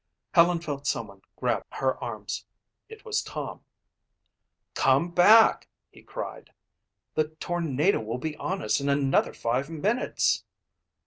Helen felt someone grab her arms. It was Tom. "Come back!" he cried. "The tornado will be on us in another five minutes!"